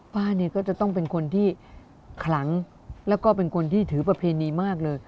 ป้าเนี่ยก็จะต้องเป็นคนที่ขลังแล้วก็เป็นคนที่ถือประเพณีมากเลย